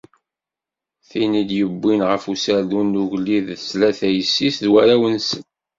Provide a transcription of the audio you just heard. Tin i d-yewwin ɣef userdun n ugellid d tlata yessi-s d warraw-nsen